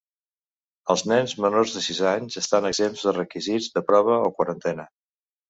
Els nens menors de sis anys estan exempts dels requisits de prova o quarantena.